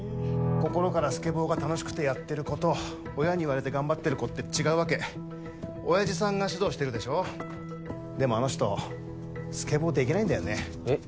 心からスケボーが楽しくてやってる子と親に言われて頑張ってる子って違うわけ親父さんが指導してるでしょでもあの人スケボーできないんだよねえっ？